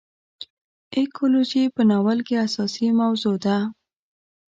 اکولوژي په ناول کې اساسي موضوع ده.